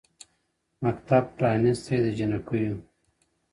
• مکتب پرانیستی د جینکیو ,